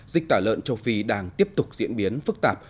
dịch tả lợn châu phi đang tiếp tục diễn biến phức tạp